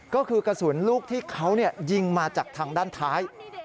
ก็คือกระสุนลูกที่เขายิงมาจากทางด้านท้าย